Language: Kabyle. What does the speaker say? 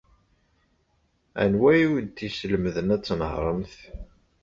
Anwa ay awent-yeslemden ad tnehṛemt.